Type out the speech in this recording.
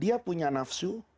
dia punya nafsu